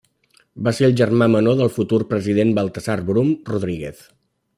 Va ser el germà menor del futur president Baltasar Brum Rodríguez.